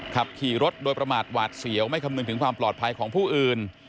ขับขี่รถโดยประมาทหวาดเสียวไม่คำนึงถึงความปลอดภัยของผู้อื่น